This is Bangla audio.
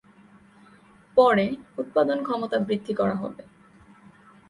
পরে উৎপাদন ক্ষমতা বৃদ্ধি করা হবে।